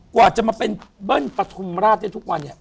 กว่าจะมาเป็นเบิ้ลปฐุมราชได้ทุกวันเนี่ย